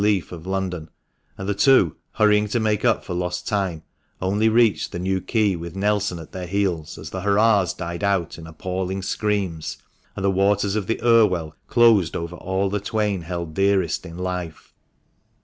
Leaf, of London, and the two, hurrying to make up for lost time, only reached the New Quay with Nelson at their heels as the hurrahs died out in appalling screams, and the waters of the Irwell closed over all the twain held dearest in life.